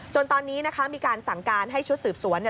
จนตอนนี้มีการสั่งการให้ชุดสืบสวน